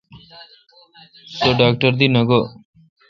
سو ڈاکٹر دی نہ گو° ۔